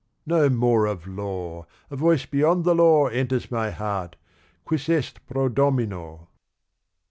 No more of law; a voice beyond the law Enters my heart, Quis est pro Domino?